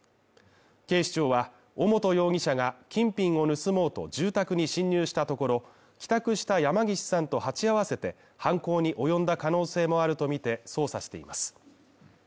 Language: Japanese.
警視庁は尾本容疑者が金品を盗もうと住宅に侵入したところ、帰宅した山岸さんと鉢合わせて犯行に及んだ可能性もあるとみて捜査しています。